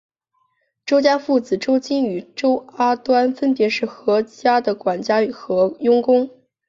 周家父子周金与周阿瑞分别是何家的管家和佣工。